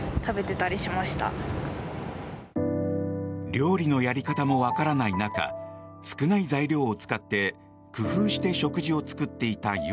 料理のやり方もわからない中少ない材料を使って工夫して食事を作っていたゆ